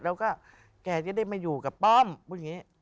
แล้วก็แกจะได้มาอยู่กับป้อมพูดอย่างนี้